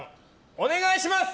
お願いします。